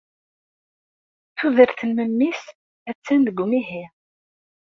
Tudert n memmi-s attan deg umihi.